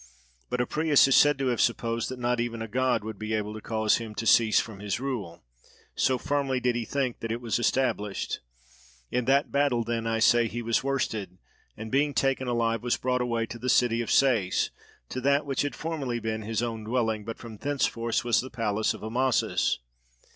But Apries is said to have supposed that not even a god would be able to cause him to cease from his rule, so firmly did he think that it was established. In that battle then, I say, he was worsted, and being taken alive was brought away to the city of Sais, to that which had formerly been his own dwelling but from thenceforth was the palace of Amasis.